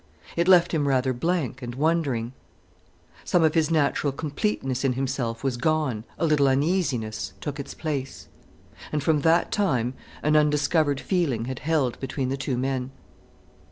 It left him rather blank and wondering. Some of his natural completeness in himself was gone, a little uneasiness took its place. And from that time an undiscovered feeling had held between the two men.